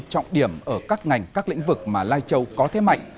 trọng điểm ở các ngành các lĩnh vực mà lai châu có thế mạnh